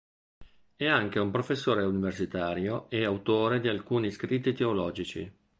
È anche un professore universitario e autore di alcuni scritti teologici.